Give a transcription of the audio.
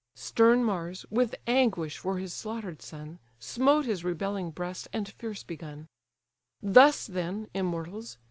Stern Mars, with anguish for his slaughter'd son, Smote his rebelling breast, and fierce begun: "Thus then, immortals!